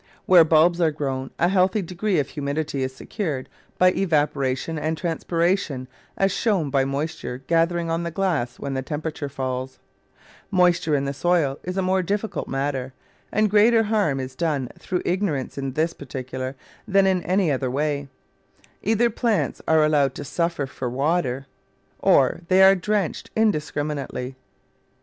Where bulbs are grown a healthy degree of humidity is secured by evaporation and transpiration as shown by moisture gathering on Digitized by Google no The Flower Garden [Chapter the glass when the temperature falls. Moisture in the soil is a more difficult matter, and greater harm is done through ignorance in this particular than in any other way. Either plants are allowed to suffer for water, or they are drenched indiscriminately.